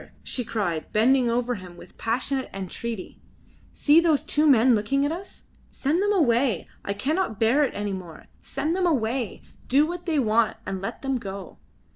she cried, bending over him with passionate entreaty. "See those two men looking at us. Send them away. I cannot bear it any more. Send them away. Do what they want and let them go."